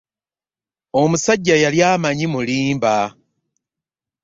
Omusajja yali amanyi mmulimba.